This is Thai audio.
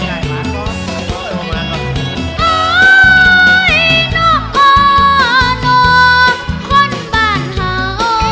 อ้ายยยน้องพ่อน้องคนบ้านเผา